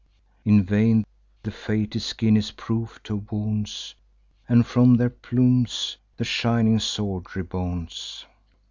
In vain, the fated skin is proof to wounds; And from their plumes the shining sword rebounds.